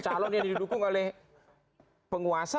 calon yang didukung oleh penguasa